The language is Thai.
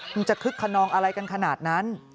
จะคึกขนองอะไรกันขนาดนั้น